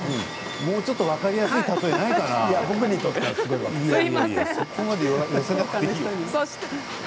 もうちょっと分かりやすい例えがないかな？